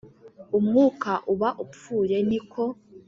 Umwuka uba upfuye ni ko